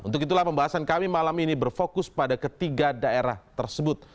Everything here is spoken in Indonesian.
untuk itulah pembahasan kami malam ini berfokus pada ketiga daerah tersebut